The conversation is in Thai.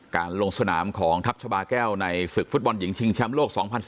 ลงสนามของทัพชาบาแก้วในศึกฟุตบอลหญิงชิงแชมป์โลก๒๐๑๘